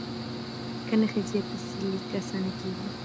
که نښې زیاتې سي، لیک اسانه کېږي.